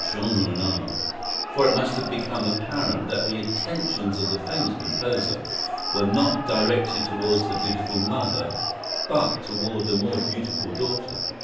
Jeanrenaud, for it must have become apparent that the attentions of the famous composer were not directed toward the beautiful mother, but toward the more beautiful daughter.